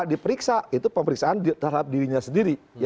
diperiksa itu pemeriksaan terhadap dirinya sendiri